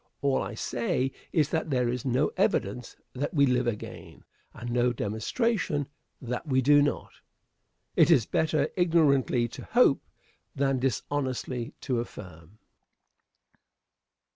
All I say is that there is no evidence that we live again, and no demonstration that we do not. It is better ignorantly to hope than dishonestly to affirm.